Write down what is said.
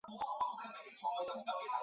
他也代表北爱尔兰国家足球队参赛。